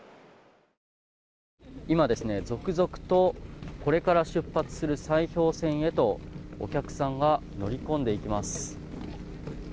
今、続々とこれから出発する砕氷船へとお客さんは乗り込んでいきます。